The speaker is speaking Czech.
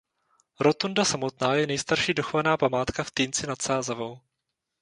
Rotunda samotná je nejstarší dochovaná památka v Týnci nad Sázavou.